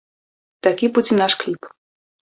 Такі будзе наш кліп.